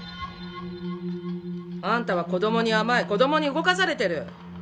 あんたは子供に甘い、子供に動かされてる。